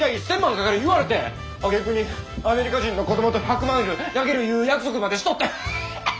かかる言われてあげくにアメリカ人の子供と１００マイル投げるいう約束までしとって。